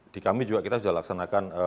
di kami juga kita sudah laksanakan